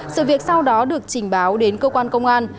sự việc sau đó được trình báo đến cơ quan công an